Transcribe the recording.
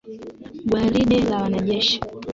Gwaride la wanajeshi.